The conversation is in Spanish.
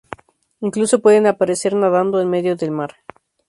Incluso pueden aparecer nadando en medio del mar.